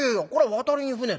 『渡りに船』だ。